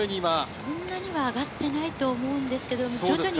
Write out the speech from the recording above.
そんなには上がってないと思うんですけど。